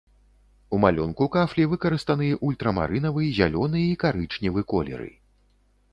У малюнку кафлі выкарыстаны ультрамарынавы, зялёны і карычневы колеры.